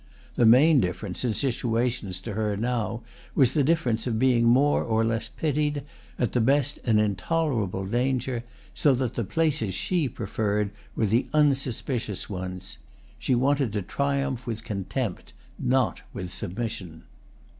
The main difference in situations to her now was the difference of being more or less pitied, at the best an intolerable danger; so that the places she preferred were the unsuspicious ones. She wanted to triumph with contempt, not with submission.